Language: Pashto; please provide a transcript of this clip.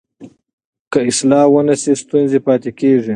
که اصلاح ونه سي ستونزې پاتې کېږي.